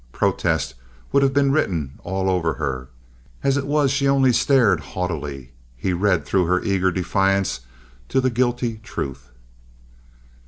Protest would have been written all over her. As it was, she only stared haughtily. He read through her eager defiance to the guilty truth.